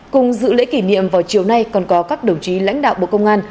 cùng dự lễ kỷ niệm vào chiều nay còn có các đồng chí lãnh đạo bộ công an